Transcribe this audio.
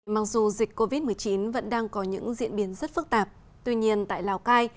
mặc dù dịch covid một mươi chín vẫn đang có những diễn biến rất phức tạp tuy nhiên tại lào cai